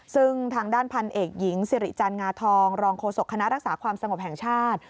ซึ่งทางด้านพันเอกหญิงสิริจันทร์งาทองรองโฆษกคณะรักษาความสงบแห่งชาติ